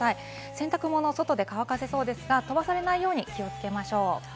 洗濯物を外で乾かせそうですが、飛ばされないように気をつけましょう。